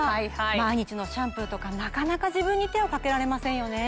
毎日のシャンプーとかなかなか自分に手をかけられませんよね。